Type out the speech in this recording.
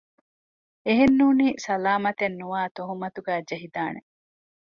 އެހެން ނޫނީ ސަލާމަތްނުވާ ތުހުމަތުގައި ޖެހިދާނެ